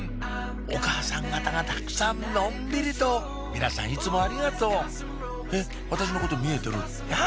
お母さん方がたくさんのんびりと皆さんいつもありがとうえっ私のこと見えてるあ！